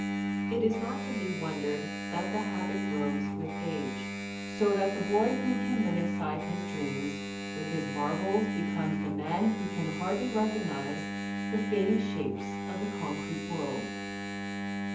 It is not to be wondered that the habit grows with age, so that the boy who can lay aside his ON DREAMS 111 dreams with his marbles becomes the man who can hardly recognize the fading shapes of the concrete world.